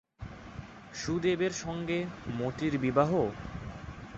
সুদেবের সঙ্গে মতির বিবাহ?